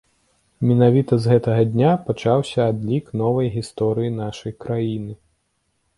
Менавіта з гэтага дня пачаўся адлік новай гісторыі нашай краіны.